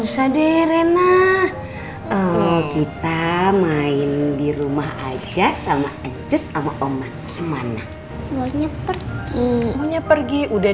sadere nah oh kita main di rumah aja sama aja sama omak gimana punya pergi punya pergi udah